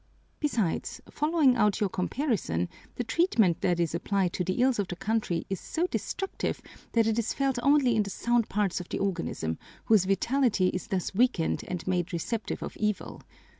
Besides, following out your comparison, the treatment that is applied to the ills of the country is so destructive that it is felt only in the sound parts of the organism, whose vitality is thus weakened and made receptive of evil.